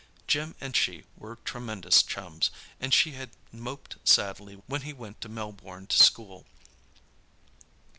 Jim and she were tremendous chums, and she had moped sadly when he went to Melbourne to school.